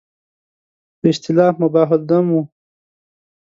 په اصطلاح مباح الدم وو.